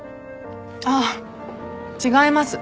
あっ違います。